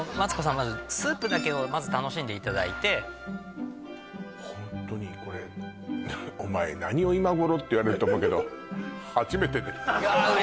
まずスープだけをまず楽しんでいただいてホントにこれお前何を今頃って言われると思うけどうわ